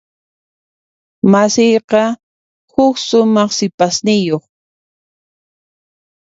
Masiyqa huk sumaq sipasniyuq.